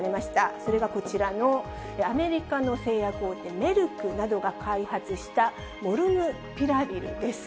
それがこちらの、アメリカの製薬大手、メルクなどが開発した、モルヌピラビルです。